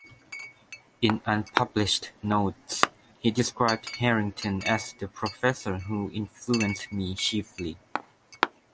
In unpublished notes he described Harrington as the professor who influenced me chiefly.